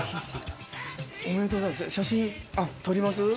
おめでとうございます写真撮ります？